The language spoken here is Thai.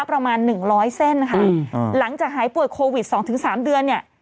ประมาณหนึ่งร้อยเส้นค่ะหลังจากหายป่วยโควิดสองถึงสามเดือนเนี่ย